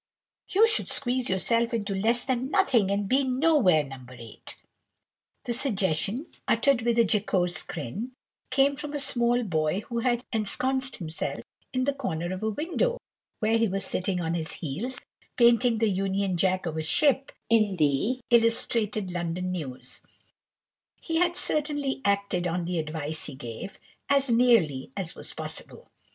"You should squeeze yourself into less than nothing, and be nowhere, No. 8." The suggestion, (uttered with a jocose grin,) came from a small boy who had ensconced himself in the corner of a window, where he was sitting on his heels, painting the Union Jack of a ship in the Illustrated London News. He had certainly acted on the advice he gave, as nearly as was possible.